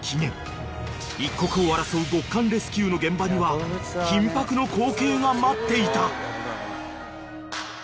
［一刻を争う極寒レスキューの現場には緊迫の光景が待っていた］